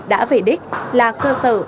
đã về đích là cơ sở